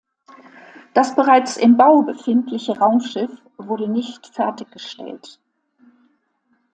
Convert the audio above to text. Das bereits im Bau befindliche Raumschiff wurde nicht fertiggestellt.